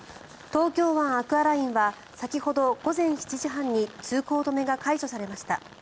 東京湾アクアラインは先ほど、午前７時半に通行止めが解除されました。